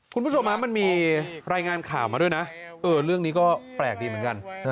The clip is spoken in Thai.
คุณผู้ชมมันมีรายงานข่าวมาด้วยนะเรื่องนี้ก็แปลกดีเหมือนกัน